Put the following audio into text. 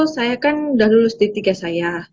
saya kan udah lulus di tiga saya